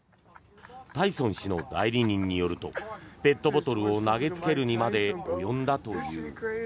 タイソン氏の代理人によるとペットボトルを投げつけるにまで及んだという。